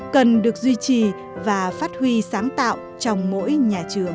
cần được duy trì và phát huy sáng tạo trong mỗi nhà trường